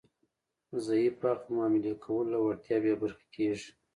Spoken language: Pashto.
ضعیف اړخ د معاملې کولو له وړتیا بې برخې کیږي